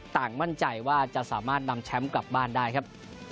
ต่างมั่นใจว่าจะสามารถนำแชมป์กลับบ้านได้ครับ